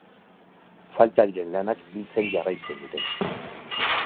Falta diren lanak biltzen jarraitzen dute.